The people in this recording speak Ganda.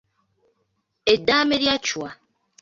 Eddaame lya Chwa.